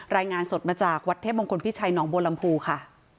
รายงานสดมาจากวัดเทพมงคลพิชัยหนองบัวลำพูค่ะ